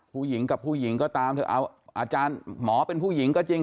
ผู้หญิงกับผู้หญิงก็ตามเถอะเอาอาจารย์หมอเป็นผู้หญิงก็จริง